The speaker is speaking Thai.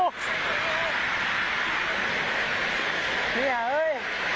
เนี่ยเอ้ย